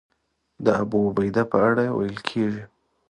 د ابوعبیده په اړه ویل کېږي.